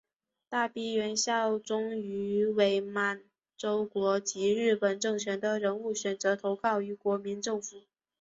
大批原效忠于伪满洲国及日本政权的人物选择投靠于国民政府。